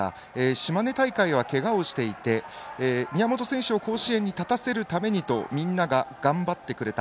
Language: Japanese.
島根大会はけがをしていて宮本選手を甲子園に立たせるためにとみんなが頑張ってくれた。